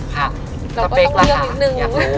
ค่ะสเปคราคาเราก็ต้องเลือกนิดนึง